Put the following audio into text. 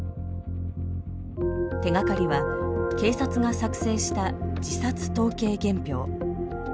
手がかりは警察が作成した自殺統計原票。